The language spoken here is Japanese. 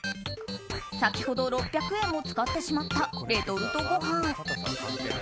先ほど６００円も使ってしまったレトルトご飯。